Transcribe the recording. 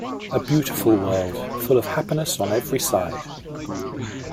A beautiful world, full of happiness on every side.